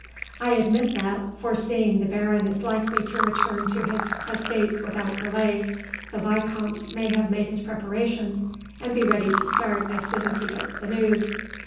I admit that, foreseeing the baron is likely to return to his estates without delay, the vicomte may have made his preparations, and be ready to start as soon as he gets the news.